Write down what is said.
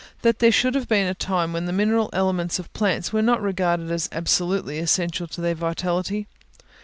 that there should have been a time when the mineral elements of plants were not regarded as absolutely essential to their vitality?